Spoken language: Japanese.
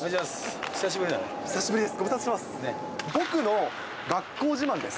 久しぶりです。